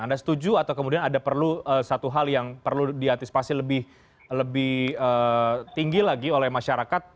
anda setuju atau kemudian ada perlu satu hal yang perlu diantisipasi lebih tinggi lagi oleh masyarakat